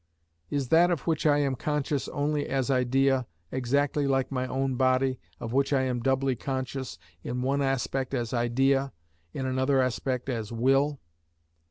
Is that of which I am conscious only as idea, exactly like my own body, of which I am doubly conscious, in one aspect as idea, in another aspect as will?